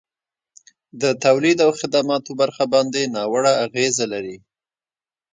د تولید او خدماتو برخه باندي ناوړه اغیزه لري.